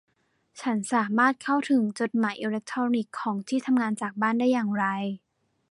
ฉันสามารถเข้าถึงจดหมายอิเล็กทรอนิกส์ของที่ทำงานจากบ้านได้อย่างไร